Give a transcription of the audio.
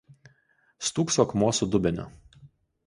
Stūkso akmuo „su dubeniu“.